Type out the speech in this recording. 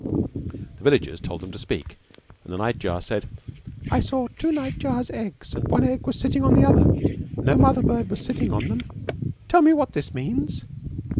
The villagers told them to speak and the night jar said, "I saw two night jar's eggs and one egg was sitting on the other; no mother bird was sitting on them, tell me what this means."